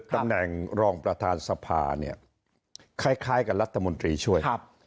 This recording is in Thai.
ตำแหน่งรองประธานสภาเนี่ยคล้ายกับรัฐมนตรีช่วย